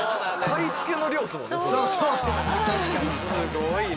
すごいね。